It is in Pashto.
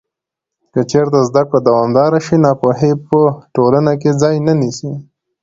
که چېرته زده کړه دوامداره شي، ناپوهي په ټولنه کې ځای نه نیسي.